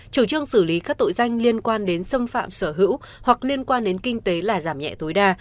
chủ trương xử lý các tội danh liên quan đến xâm phạm sở hữu hoặc liên quan đến kinh tế là giảm nhẹ tối đa